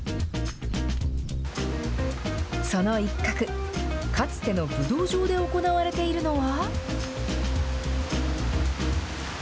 その一角、かつての武道場で行われているのは。